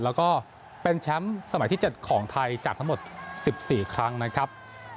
แล้วก็เป็นแชมป์สมัยที่๗ของไทยจากทั้งหมด๑๔ครั้งนะครับ